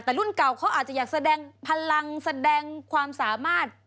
แต่รุ่นเก่าเขาอาจจะอยากแสดงพลังแสดงความสามารถ